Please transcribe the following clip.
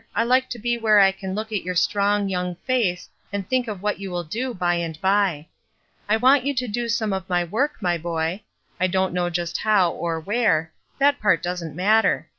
I Uke to be where I can look at your strong, young face and think of what you will do by and by. I want you to do some of my work, my boy. I don't knowjust how, or where— that part doesn't matter.